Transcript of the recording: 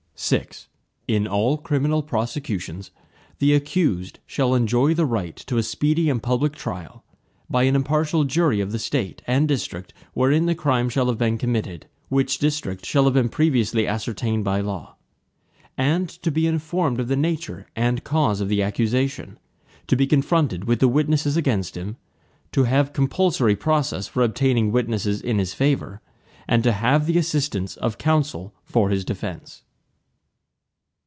VI In all criminal prosecutions, the accused shall enjoy the right to a speedy and public trial, by an impartial jury of the State and district wherein the crime shall have been committed, which district shall have been previously ascertained by law, and to be informed of the nature and cause of the accusation; to be confronted with the witnesses against him; to have compulsory process for obtaining witnesses in his favor, and to have the assistance of counsel for his defense.